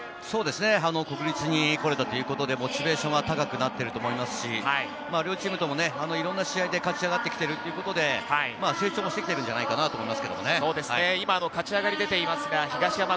国立に来れたということで、モチベーションが高くなってると思いますし、両チームともいろんな試合で勝ち上がってきてるということで成長もしてきてるんじゃないかなと思います。